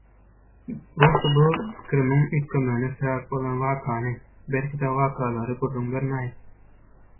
Gowsy bu pikirimiň üýtgemegine sebäp bolan wakany, belki-de wakalary gürrüň bermäýin.